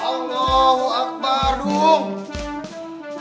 allahu akbar duh